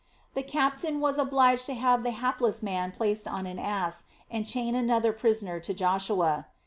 The captain was obliged to have the hapless man placed on an ass and chain another prisoner to Joshua.